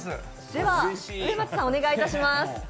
では植松さんお願いいたします。